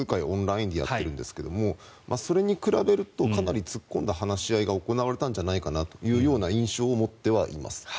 オンラインでやっているんですがそれに比べるとかなり突っ込んだ話し合いが行われたんじゃないかなという印象を持ってはいます。